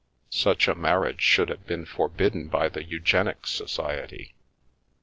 Such a mar riage should have been forbidden by the Eugenic Soci ety!"